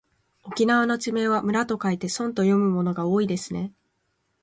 沖縄の地名は村と書いてそんと読むものが多いですね。